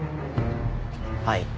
はい。